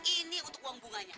ini untuk uang bunganya